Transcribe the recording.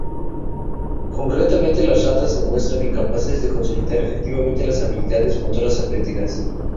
Concretamente, las ratas se muestran incapaces de consolidar efectivamente las habilidades motoras aprendidas.